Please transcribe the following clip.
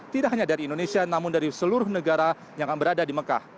tidak hanya dari indonesia namun dari seluruh negara yang akan berada di mekah